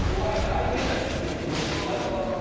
相手だって気持ちがあるから。